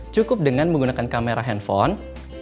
cukup dengan menggunakan kamera handphone